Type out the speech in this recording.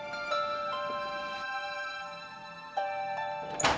ya ma aku ngerti